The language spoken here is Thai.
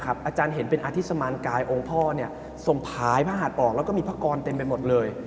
อเจมส์อาจารย์เห็นเป็นอาธิสมารไกลองค์พ่อส่งพ้ายภาษาอ่อนแปลกแล้วก็มีภาคกรเต็มไปหมดเลย